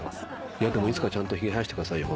でもいつかちゃんとひげ生やしてくださいよ